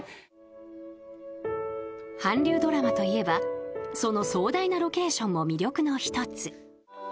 ［韓流ドラマといえばその壮大なロケーションも魅力の１つ］